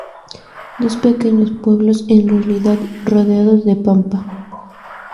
Dos pequeños pueblos en realidad, rodeados de pampa.